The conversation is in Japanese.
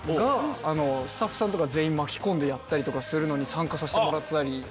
スタッフさんとか全員巻き込んでやったりとかするのに参加させてもらったり。